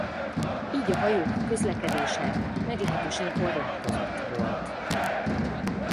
Így a hajók közlekedése meglehetősen korlátozott volt.